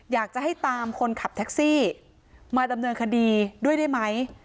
อยากจะให้ตามคนขับแท็กซี่มาดำเนินคดีด้วยได้ไหม